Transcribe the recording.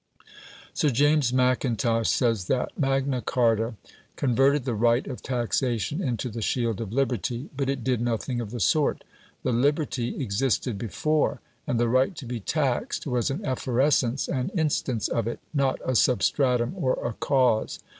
Sir James Mackintosh says that Magna Charta "converted the right of taxation into the shield of liberty," but it did nothing of the sort. The liberty existed before, and the right to be taxed was an efflorescence and instance of it, not a sub stratum or a cause.